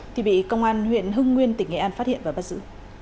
thì bị công an huyện hưng nguyên tỉnh nghệ an phát hiện và bắt giữ